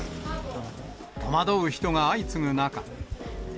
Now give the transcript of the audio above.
戸惑う人が相次ぐ中。